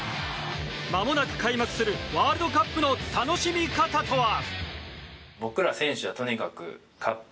まもなく開幕するワールドカップの楽しみ方とは。